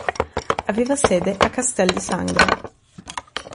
Aveva sede a Castel di Sangro.